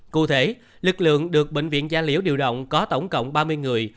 cụ thể lực lượng được bệnh viện gia liễu điều động có tổng cộng ba mươi người